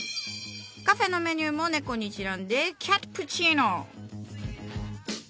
カフェのメニューも猫にちなんで「キャットプチーノ」。